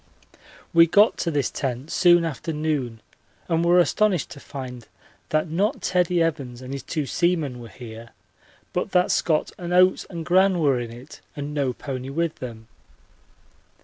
We got to this tent soon after noon and were astonished to find that not Teddie Evans and his two seamen were here, but that Scott and Oates and Gran were in it and no pony with them.